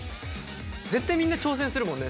絶対みんな挑戦するもんね